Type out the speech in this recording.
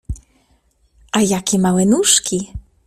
— A jakie małe nóżki!